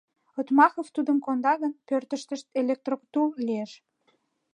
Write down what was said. Отмахов тудым конда гын, пӧртыштышт электротул лиеш.